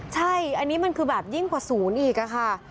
ใช่อันนี้มันคือแบบยิ่งกว่าศูนย์อีกค่ะ